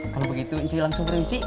kalau begitu ucuy langsung permisi